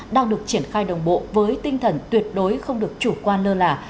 đang được triển khai đồng bộ với tinh thần tuyệt đối không được chủ quan lơ là